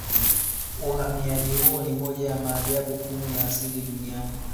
Uhamiaji huo ni moja ya maajabu kumi ya asili Duniani